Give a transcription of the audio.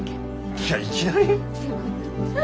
いやいきなり？